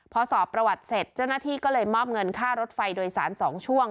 พอสอบประวัติเสร็จเจ้าหน้าที่ก็เลยมอบเงินค่ารถไฟโดยสาร๒ช่วง